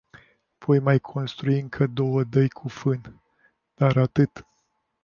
Voi mai construi încă două odăi cu fân, dar atât.